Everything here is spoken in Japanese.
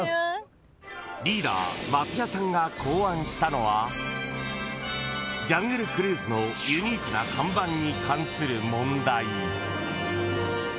［リーダー松也さんが考案したのはジャングルクルーズのユニークな看板に関する問題］